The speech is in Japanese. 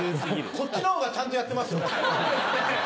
こっちのほうがちゃんとやってますよ。